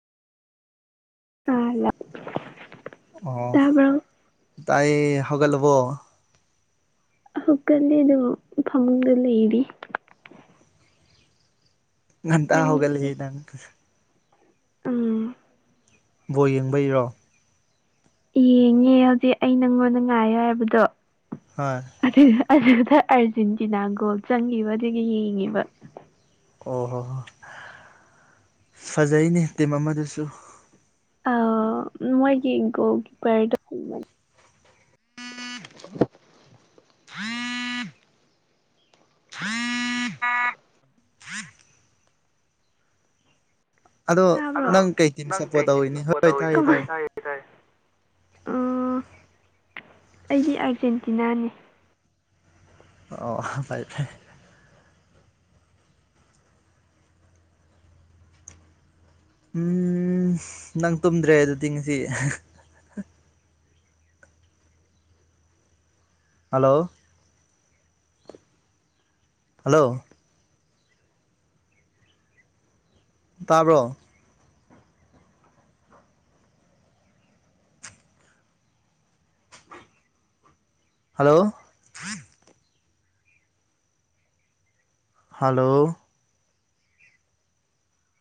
ꯑꯥꯂ ꯑꯣ ꯇꯥꯏ ꯍꯒꯥꯏ ꯂꯕ ꯈꯛꯀꯜꯂꯤ ꯑꯗꯨꯝ ꯐꯃꯗ ꯂꯩꯔꯤ ꯉꯟꯇꯥ ꯅꯪꯗꯤ ꯍꯧꯒꯠꯂꯛꯏ ꯅꯪꯛꯇ ꯎꯝ ꯕꯣ ꯌꯦꯡꯕ ꯏꯔꯣ ꯌꯦꯡꯉꯦ ꯍꯧꯖꯤꯛ ꯑꯩ ꯅꯪꯉꯣꯟꯗ ꯉꯥꯏꯌꯣ ꯍꯥꯏꯕꯗꯣ ꯍꯣꯏ ꯑꯗꯨꯗ ꯑꯥꯔꯖꯦꯟꯇꯤꯅꯥ ꯒꯣꯜ ꯆꯪꯈꯤꯕ ꯑꯗꯨꯒꯤ ꯌꯦꯡꯉꯤꯕ ꯑꯣ ꯍꯣ ꯍꯣ ꯐꯖꯩꯅꯦ ꯇꯤꯝ ꯑꯃꯗꯁꯨ ꯑ ꯃꯣꯏꯒꯤ ꯏꯀꯣꯒꯤ ꯄꯔꯗ ꯑꯗꯣ ꯅꯪ ꯀꯩ ꯇꯤꯝ ꯁꯞꯄꯣꯔꯠ ꯇꯧꯔꯤꯅꯤ ꯍꯣꯏ ꯇꯥꯏꯌꯦ ꯇꯥꯏꯌꯦ [unintelligible] ꯑꯩꯗꯤ ꯑꯥꯔꯖꯦꯟꯇꯤꯅꯥꯅꯤ ꯑꯣ ꯐꯥꯏ ꯐ ꯎꯝ ꯅꯪ ꯇꯨꯝꯗ꯭ꯔꯦ ꯑꯗꯨ ꯇꯤꯡꯁꯤ ꯍꯜꯂꯣ ꯍꯜꯂꯣ ꯇꯥꯕ꯭ꯔꯣ ꯍꯜꯂꯣ ꯍꯜꯂꯣ